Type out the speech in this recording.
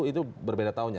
itu berbeda tahunnya